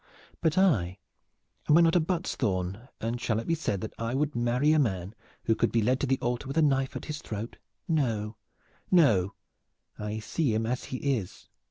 But I, am I not a Buttesthorn, and shall it be said that I would marry a man who could be led to the altar with a knife at his throat? No, no, I see him as he is!